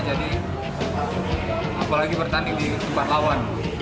jadi apalagi bertanding di tempat lawan